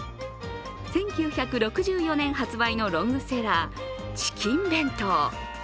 １９６４年発売のロングセラー、チキン弁当。